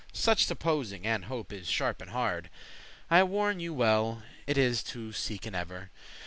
Such supposing and hope is sharp and hard. I warn you well it is to seeken ever.